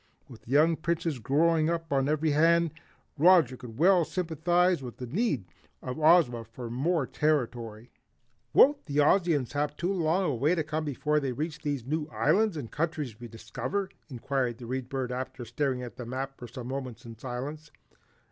With young Princes growing up on every hand, Roger could well sympathize with the need of Ozma for more territory. "Won't the Ozians have too long a way to come before they reach these new islands and countries we discover?" inquired the Read Bird, after staring at the map for some moments in silence.